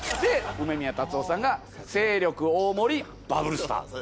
梅宮辰夫さんが「精力大盛りバブルスター」。